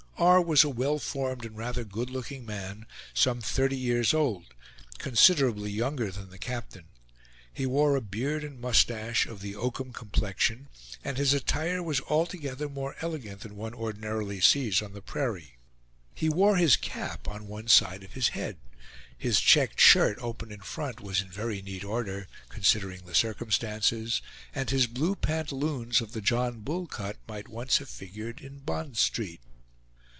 R. was a well formed and rather good looking man, some thirty years old; considerably younger than the captain. He wore a beard and mustache of the oakum complexion, and his attire was altogether more elegant than one ordinarily sees on the prairie. He wore his cap on one side of his head; his checked shirt, open in front, was in very neat order, considering the circumstances, and his blue pantaloons, of the John Bull cut, might once have figured in Bond Street.